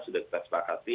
sudah kita setakati